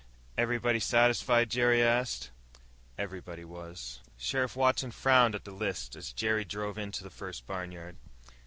"Everybody satisfied?" Jerry asked. Everybody was. Sheriff Watson frowned at the list as Jerry drove into the first barnyard.